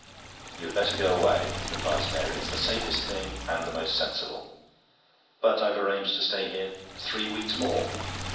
"You'd better go away," advised Mary. "It's the safest thing, and the most sensible." "But I've arranged to stay here three weeks more."